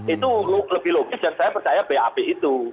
itu lebih logis dan saya percaya bap itu